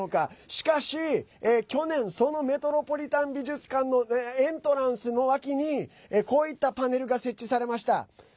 しかし、去年そのメトロポリタン美術館のエントランスの脇にこういったパネルが設置されました。